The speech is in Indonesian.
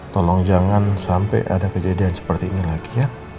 tolong jangan sampai ada kejadian seperti ini lagi ya